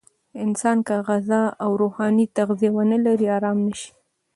انسان که غذا او روحاني تغذیه ونلري، آرام نه شي.